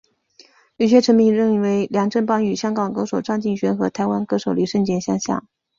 有球迷认为梁振邦与香港歌手张敬轩和台湾歌手李圣杰相像。